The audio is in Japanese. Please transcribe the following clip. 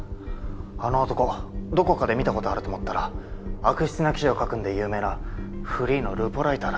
あの男どこかで見たことあると思ったら悪質な記事を書くんで有名なフリーのルポライターだ。